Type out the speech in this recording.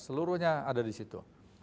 seluruhnya ada di situ